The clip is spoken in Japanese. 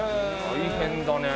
大変だね。